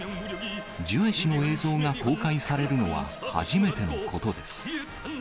ジュエ氏の映像が公開されるのは、初めてのことです。